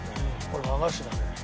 これ和菓子だね。